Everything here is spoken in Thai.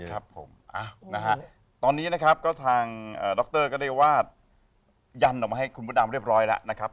ครับผมนะฮะตอนนี้นะครับก็ทางดรก็ได้วาดยันออกมาให้คุณพระดำเรียบร้อยแล้วนะครับ